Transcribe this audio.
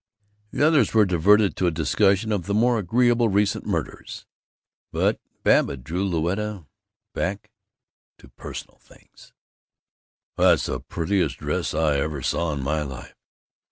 The others were diverted to a discussion of the more agreeable recent murders, but Babbitt drew Louetta back to personal things: "That's the prettiest dress I ever saw in my life."